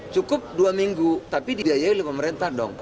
cukup dua minggu tapi dibiayai oleh pemerintah dong